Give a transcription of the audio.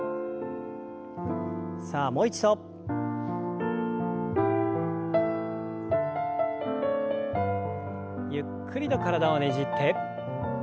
さあもう一度。ゆっくりと体をねじって。